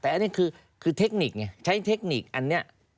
อันนี้คือเทคนิคนเนี่ยใช้เทคนิคอันนี้